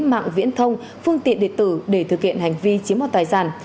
mạng viễn thông phương tiện điện tử để thực hiện hành vi chiếm đoạt tài sản